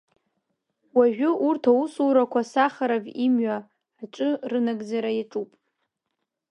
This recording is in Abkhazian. Уажәы урҭ аусурақәа Сахаров имҩа аҿы рынагӡара иаҿуп.